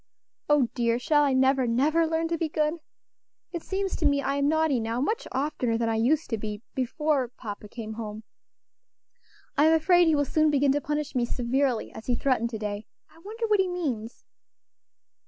Oh! dear, shall I never, never learn to be good? It seems to me I am naughty now much oftener than I used to be before papa came home. I'm afraid he will soon begin to punish me severely, as he threatened to day. I wonder what he means?"